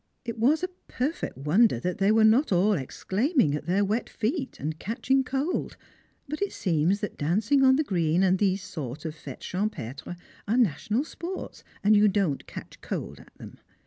It was a perfect wonder that they were not all exclaiming at their wet feet, and catching cold; but it seems that dancing on the green and these sort of fêtes champêtres are national sports, and you don't catch cold at them.